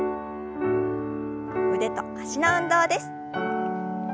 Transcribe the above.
腕と脚の運動です。